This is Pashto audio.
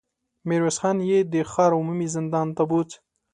ميرويس خان يې د ښار عمومي زندان ته بوت.